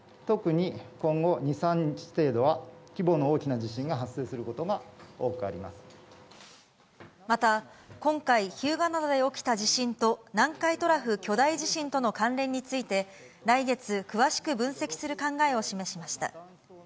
特に今後２、３日程度は、規模の大きな地震が発生することが多くまた、今回、日向灘で起きた地震と、南海トラフ巨大地震との関連について、来月、詳しく分析する考えを示しました。